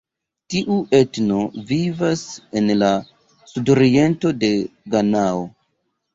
Tiu etno vivas en la sudoriento de Ganao.